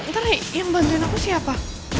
nanti yang bantuin aku siapa